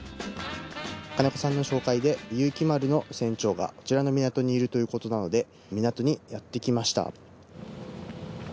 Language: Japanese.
兼子さんの紹介で有希丸の船長がこちらの港にいるということなので港にやってきました。